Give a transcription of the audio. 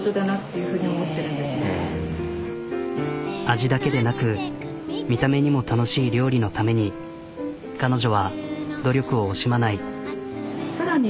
味だけでなく見た目にも楽しい料理のために彼女は努力を惜しまない。